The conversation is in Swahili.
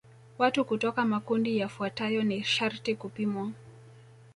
Watu kutoka makundi yafuatayo ni sharti kupimwa